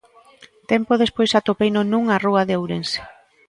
Tempo despois atopeino nunha rúa de Ourense.